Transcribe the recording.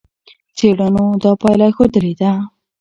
څېړنو دا پایله ښودلې ده.